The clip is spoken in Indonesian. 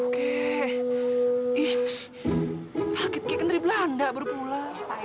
keh ini sakit kek ngeri belanda berpula